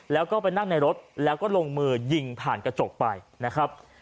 แล้วก็ไปนั่งในรถแล้วก็ลงมือยิงผ่านกระจกไปนะครับ